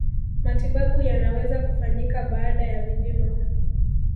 matibabu yanaweza kufanyika baada ya vipimo